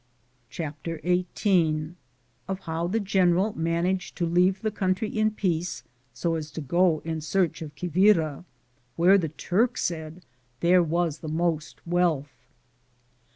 CHAPTER XVHI Of bow the general managed to leave the country In peace bo as to go In search of Quivira, where the Turk said there was the most wealth.